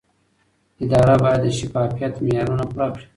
اداره باید د شفافیت معیارونه پوره کړي.